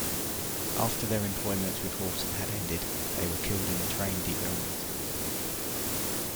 After their employment with Horton had ended, they were killed in a train derailment.